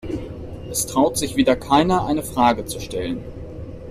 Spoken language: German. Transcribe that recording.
Es traut sich wieder keiner, eine Frage zu stellen.